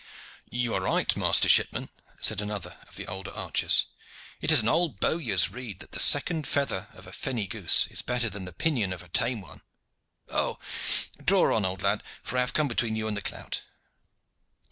"You are right, master shipman," said another of the older archers. "It is an old bowyer's rede that the second feather of a fenny goose is better than the pinion of a tame one. Draw on old lad, for I have come between you and the clout."